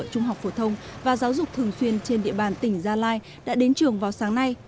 trung học phổ thông và giáo dục thường xuyên trên địa bàn tỉnh gia lai đã đến trường vào sáng nay